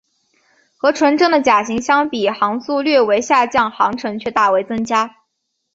和纯正的甲型相比航速略为下降航程却大为增加。